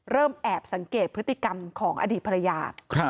เริ่มแอบสังเกตพฤติกรรมของอดีตภรรยา